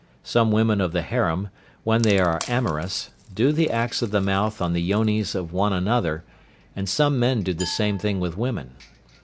Some women of the harem, when they are amorous, do the acts of the mouth on the yonis of one another, and some men do the same thing with women.